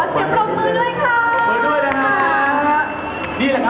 ขอเสียบรบมือด้วยคะ